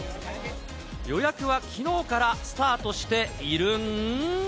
予約はきのうからスタートしているん。